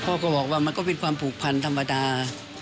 ก็บอกว่ามันก็เป็นความผูกพันธรรมดา